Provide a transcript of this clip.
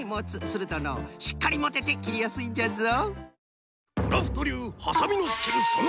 するとのうしっかりもてて切りやすいんじゃぞ。